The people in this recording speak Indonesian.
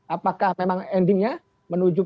apakah memang endingnya menuju